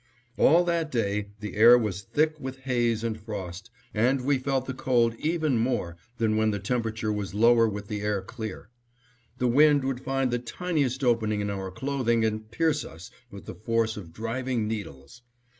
All that day the air was thick with haze and frost and we felt the cold even more than when the temperature was lower with the air clear. The wind would find the tiniest opening in our clothing and pierce us with the force of driving needles.